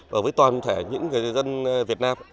và với toàn thể những người dân việt nam